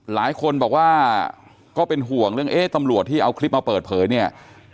หลายคนบอกว่าก็เป็นห่วงเรื่องเอ๊ะตำรวจที่เอาคลิปมาเปิดเผยเนี่ย